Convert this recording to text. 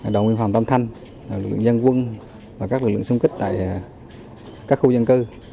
đồng yên hoàng tam thành lực lượng dân quân và các lực lượng xung kích tại các khu dân cư